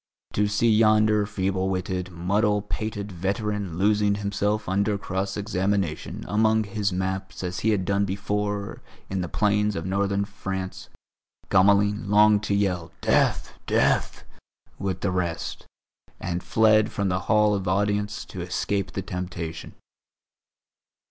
To see yonder feeble witted muddle pated veteran losing himself under cross examination among his maps as he had done before in the plains of Northern France, Gamelin longed to yell "death! death!" with the rest, and fled from the Hall of Audience to escape the temptation.